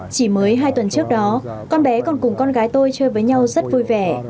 chỉ mới hai tuần trước đó con bé còn cùng con gái tôi chơi với nhau rất vui vẻ